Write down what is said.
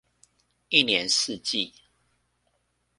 一年四季